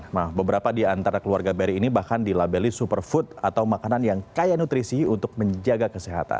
nah beberapa di antara keluarga beri ini bahkan dilabeli superfood atau makanan yang kaya nutrisi untuk menjaga kesehatan